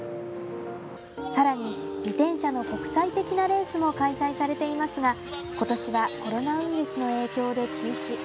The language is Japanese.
さらに自転車の国際的なレースも開催されていますがことしはコロナウイルスの影響で中止。